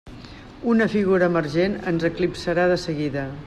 Una figura emergent ens eclipsarà de seguida.